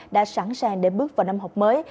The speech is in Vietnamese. đã sẵn sàng để bước vào năm học mới